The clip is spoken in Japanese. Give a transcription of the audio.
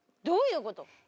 どういうこと？